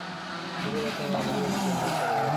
বিদ্যালয়ে বর্তমানে মানবিক ও বিজ্ঞান বিভাগ চালু রয়েছে।